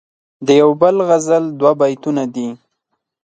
دیو بل غزل دوه بیتونه دي..